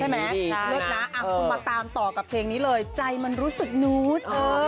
เลิศนะคุณมาตามต่อกับเพลงนี้เลยใจมันรู้สึกนูด